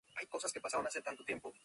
El mandato presidencial dura siete años.